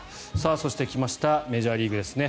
そして来ましたメジャーリーグですね。